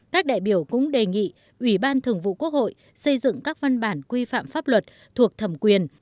các đại biểu cũng đề nghị ủy ban thường vụ quốc hội xây dựng các văn bản quy phạm pháp luật thuộc thẩm quyền